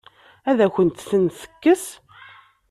Ad akent-ten-tekkes?